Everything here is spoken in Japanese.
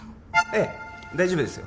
ええ大丈夫ですよ